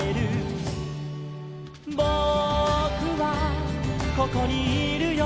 「ぼくはここにいるよ」